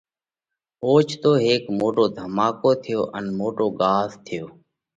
اوچتو هيڪ موٽو ڌماڪو ٿيو ان موٽو ڳاز ٿيو۔